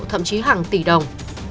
thậm chí hàng tỷ đồng